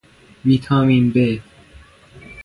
ویتامین ب